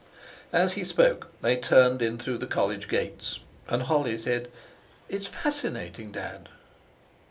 As he spoke they turned in through the college gates, and Holly said: "It's fascinating, Dad."